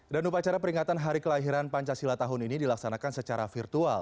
dan upacara peringatan hari kelahiran pancasila tahun ini dilaksanakan secara virtual